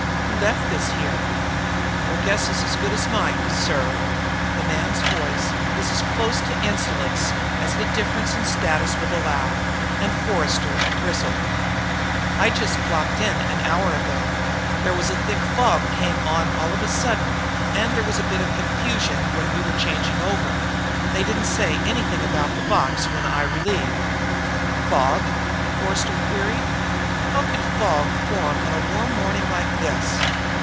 "Who left this here?" "Your guess is as good as mine, sir." The man's voice was as close to insolence as the difference in status would allow, and Forster bristled. "I just clocked in an hour ago. There was a thick fog came on all of a sudden, and there was a bit of confusion when we were changing over. They didn't say anything about the box when I relieved." "Fog?" Forster queried. "How could fog form on a warm morning like this?"